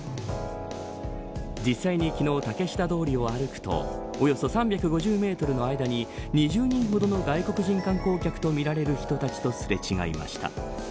実際に昨日、竹下通りを歩くとおよそ３５０メートルの間に２０人ほどの外国人観光客とみられる人たちとすれ違いました。